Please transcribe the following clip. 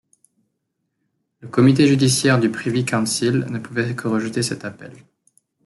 Le Comité judiciaire du Privy Council ne pouvait que rejeter cet appel.